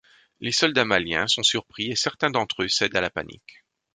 Les soldats maliens sont surpris et certains d'entre-eux cèdent à la panique.